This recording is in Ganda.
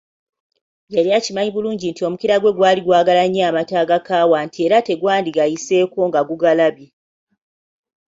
Yali akimanyi bulungi omukira gwe gwali gwagala nnyo amata agakaawa nti era tegwandigayiseeko nga gugalabye.